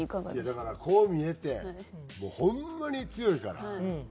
だからこう見えてもうホンマに強いから。